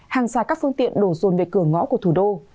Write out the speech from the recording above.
hàng xa các phương tiện đổ dồn về cửa ngõ của thủ đô